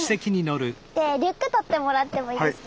リュック取ってもらってもいいですか？